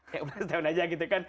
ya lima belas tahun aja gitu kan